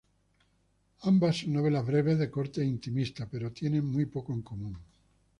Ambas son novelas breves de corte intimista, pero tienen muy poco en común.